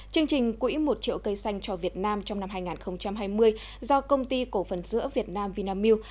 chương trình quỹ một triệu cây xanh cho việt nam trong năm hai nghìn hai mươi do công ty cổ phần sữa việt nam vinamilk